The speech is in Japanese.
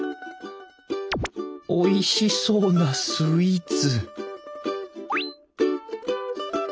おいしそうなスイーツ！